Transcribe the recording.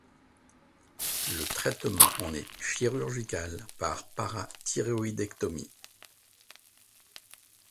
Le traitement en est chirurgical par parathyroïdectomie.